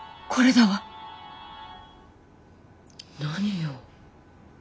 何よ。